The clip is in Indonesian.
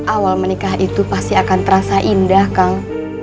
awal menikah itu pasti akan terasa indah kang